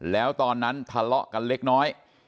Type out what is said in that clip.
แล้วตอนนั้นทะเลาะกันเล็กน้อย